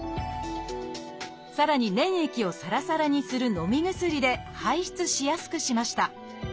さらに粘液をサラサラにするのみ薬で排出しやすくしました。